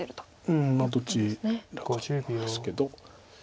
うんどちらかなんですけど。